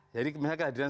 jadi misalnya kehadiran